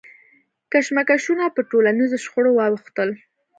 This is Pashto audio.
کشمکشونه پر ټولنیزو شخړو واوښتل.